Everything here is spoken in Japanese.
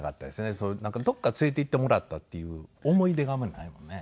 どこか連れて行ってもらったっていう思い出があんまりないもんね。